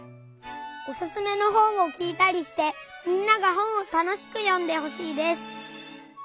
おすすめの本をきいたりしてみんなが本をたのしくよんでほしいです。